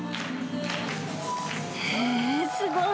へー、すごい。